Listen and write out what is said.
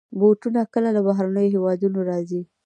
بوټونه کله له بهرنيو هېوادونو راځي.